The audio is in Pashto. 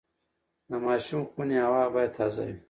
د ماشوم خونې هوا باید تازه وي۔